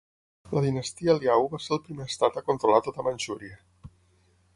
La dinastia Liao va ser el primer estat a controlar tota Manxúria.